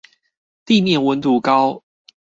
地面溫度高